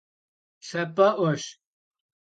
Lhap'e'ueş.